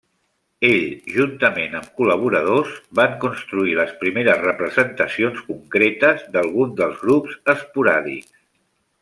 Ell, juntament amb col·laboradors, van construir les primeres representacions concretes d'alguns dels grups esporàdics.